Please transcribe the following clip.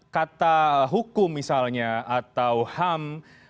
kata hukum misalnya atau ham